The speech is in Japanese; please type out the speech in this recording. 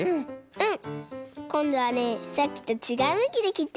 うん！